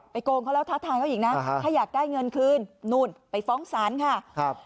โกงเขาแล้วท้าทายเขาอีกนะถ้าอยากได้เงินคืนนู่นไปฟ้องศาลค่ะครับ